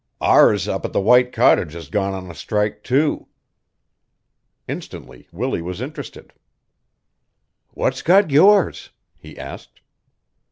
"Ours up at the white cottage has gone on a strike, too." Instantly Willie was interested. "What's got yours?" he asked.